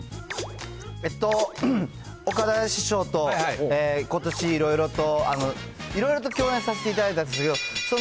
えっと、岡田師匠とことしいろいろと、いろいろと共演させていただいたんですよ。